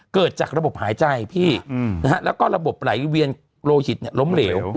เกิดจากระบบหายใจพี่แล้วก็ระบบไหลเวียนโลหิตล้มเหลว